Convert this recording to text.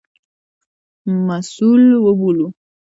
مسوول وبولو.